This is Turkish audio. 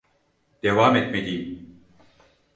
Devam etmeliyim.